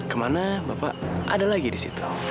kemana bapak ada lagi di situ